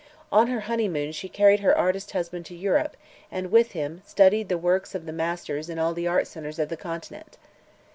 On her honeymoon she carried her artist husband to Europe and with him studied the works of the masters in all the art centers of the Continent.